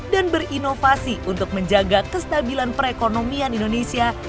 dan berinovasi untuk menjaga kestabilan perekonomian indonesia